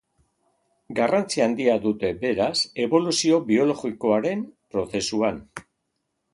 Garrantzi handia dute, beraz, eboluzio biologikoaren prozesuan.